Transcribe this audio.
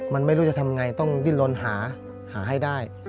มันไม่รู้จะทำไงต้องดิ้นลนหาให้ได้